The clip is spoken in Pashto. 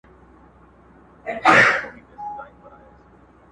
جنازې دي د بګړیو هدیرې دي چي ډکیږي،